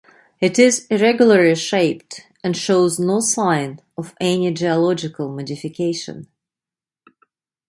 It is irregularly shaped and shows no sign of any geological modification.